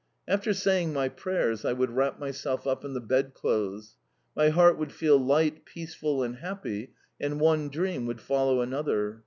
After saying my prayers I would wrap myself up in the bedclothes. My heart would feel light, peaceful, and happy, and one dream would follow another.